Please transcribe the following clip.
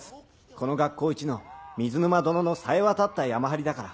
この学校いちの水沼殿のさえ渡った山ハリだから。